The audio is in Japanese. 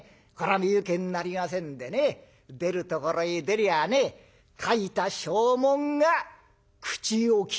身請けになりませんでね出るところへ出りゃあね書いた証文が口を利きますよ。